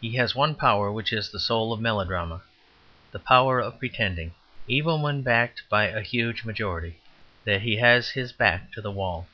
He has one power which is the soul of melodrama the power of pretending, even when backed by a huge majority, that he has his back to the wall.